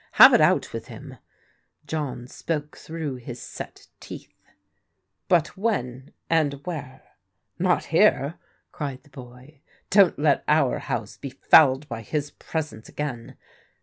Have it out with him !" John spoke through his set teeth. "But when, and where?" "Not here!" cried the boy. "Don't let our house be fouled by his presence again!